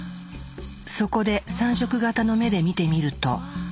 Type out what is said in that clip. そこで３色型の目で見てみると。